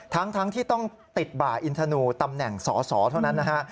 ทั้งที่ต้องติดบ่าอินทนูตำแหน่งสอสอเท่านั้นนะฮะ